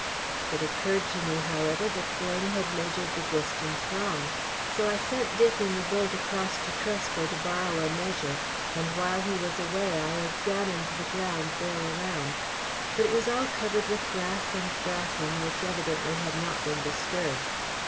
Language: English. It occurred to me, however, that Glen had measured the distance wrong. So I sent Dick in the boat across to Tresco to borrow a measure, and while he was away I examined the ground there around; but it was all covered with grass and bracken, which evidently had not been disturbed.